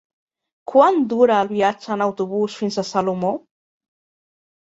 Quant dura el viatge en autobús fins a Salomó?